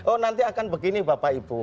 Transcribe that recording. oh nanti akan begini bapak ibu